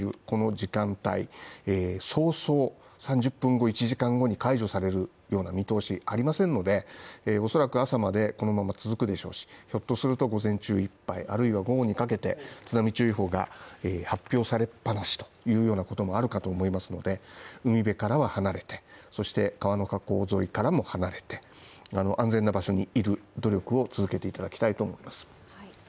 この時間帯、早々３０分後１時間後に解除されるような見通しありませんのでおそらく朝までこのまま続くでしょうし、ひょっとすると午前中いっぱい、あるいは午後にかけて津波注意報が発表されっぱなしというようなこともあるかと思いますので、海辺からは離れて、そして川の河口沿いからも離れて安全な場所にいる努力を続けていただきたいと思います。